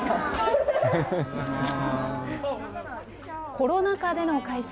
コロナ禍での開催。